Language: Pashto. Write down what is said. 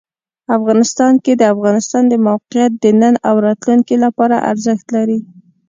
افغانستان کې د افغانستان د موقعیت د نن او راتلونکي لپاره ارزښت لري.